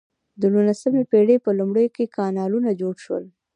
د نولسمې پیړۍ په لومړیو کې کانالونه جوړ شول.